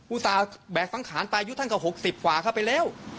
อุตส่าห์แบกสังขาญปายุท่านกว่า๖๐กว่าเข้าไปแล้ว